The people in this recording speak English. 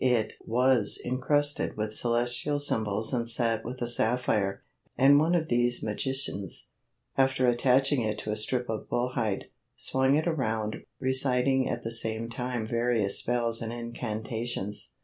It was incrusted with celestial symbols and set with a sapphire, and one of these magicians, after attaching it to a strip of bullhide, swung it around, reciting at the same time various spells and incantations.